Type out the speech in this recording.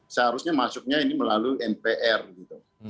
seharusnya masuknya ini melalui mpr gitu